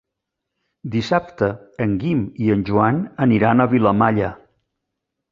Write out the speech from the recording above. Dissabte en Guim i en Joan aniran a Vilamalla.